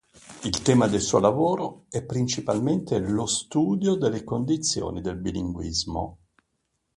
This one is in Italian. Il tema del suo lavoro è principalmente lo studio delle condizioni del bilinguismo.